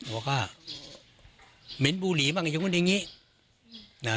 บอกว่าเหม็นบูหลีบ้างอย่างนู้นอย่างนี้นะ